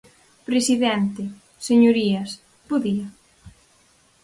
Presidente, señorías, bo día.